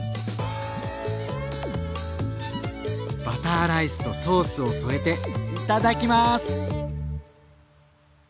バターライスとソースを添えていただきます！